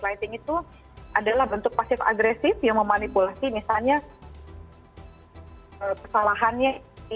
lighting itu adalah bentuk pasif agresif yang memanipulasi misalnya kesalahannya